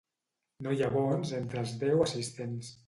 No hi ha bons entre els deu assistents?